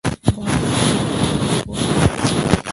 ববি ও মার্গারেট আবারো ঝগড়া করেছে।